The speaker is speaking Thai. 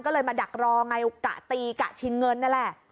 ก็เลยมาดักรอไงกะตีกะชิงเงินนั่นแหละ